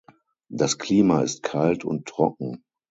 Das Klima ist kalt und trocken.